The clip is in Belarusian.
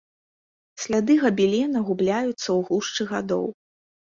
Сляды габелена губляюцца ў гушчы гадоў.